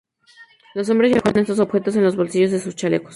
Los hombres llevaban estos objetos en los bolsillos de sus chalecos.